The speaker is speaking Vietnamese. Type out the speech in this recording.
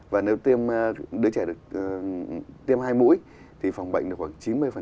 và nếu tiêm đứa trẻ được tiêm hai mũi thì phòng bệnh được khoảng chín mươi